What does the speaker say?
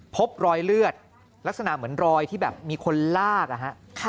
พบรอยเลือดลักษณะเหมือนรอยที่แบบมีคนลากนะฮะ